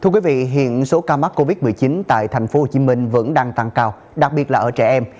thưa quý vị hiện số ca mắc covid một mươi chín tại tp hcm vẫn đang tăng cao đặc biệt là ở trẻ em